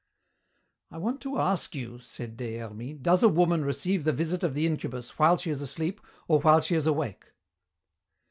"I want to ask you," said Des Hermies, "does a woman receive the visit of the incubus while she is asleep or while she is awake?"